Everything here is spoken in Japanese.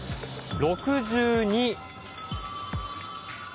６２。